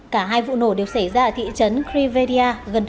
cả hai vụ nổ đều xảy ra ở thị trấn krivedia gần thủ đô bucharest